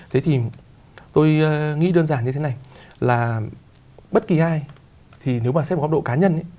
thế thì tôi nghĩ đơn giản như thế này là bất kỳ ai thì nếu mà xét một góc độ cá nhân